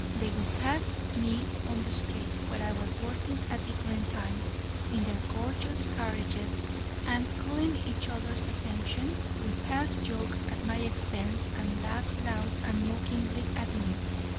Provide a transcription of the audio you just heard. They would pass me on the street, where I was working at different times, in their gorgeous carriages, and, calling each other's attention would pass jokes at my expense, and laugh loud and mockingly at me.